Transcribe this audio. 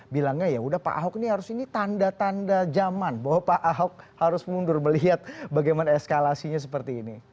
bilangnya ya udah pak ahok ini harus ini tanda tanda zaman bahwa pak ahok harus mundur melihat bagaimana eskalasinya seperti ini